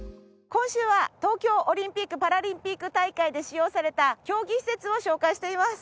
今週は東京オリンピックパラリンピック大会で使用された競技施設を紹介しています。